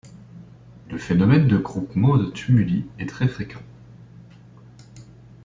Le phénomène de groupement de tumuli est très fréquent.